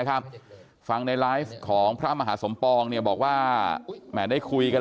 ฟังในไลฟ์ของพระมหาสมปองเนี่ยบอกว่าแหมได้คุยกัน